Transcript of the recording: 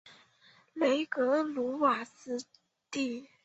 勒克鲁瓦斯蒂。